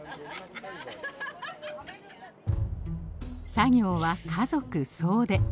作業は家族総出。